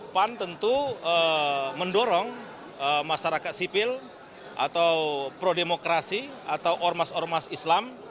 pan tentu mendorong masyarakat sipil atau pro demokrasi atau ormas ormas islam